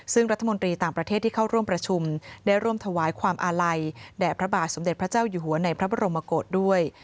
ซึ่งรัฐมนตรีต่างประเทศที่เข้าร่วมประชุมได้ร่วมถวายความอาลัยแด่พระบาทสมเด็จพระเจ้าอยู่หัวในพระบรมกฏด้วย